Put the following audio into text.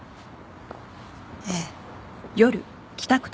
ええ。